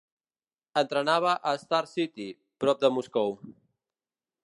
Entrenava a Star City, prop de Moscou.